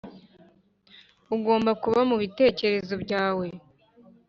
ugomba kuba mubitekerezo byawe